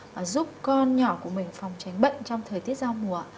và giúp con nhỏ của mình phòng tránh bệnh trong thời tiết giao mùa